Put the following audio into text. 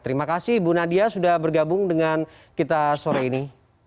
terima kasih bu nadia sudah bergabung dengan kita sore ini